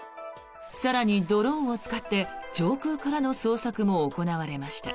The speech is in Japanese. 更にドローンを使って上空からの捜索も行われました。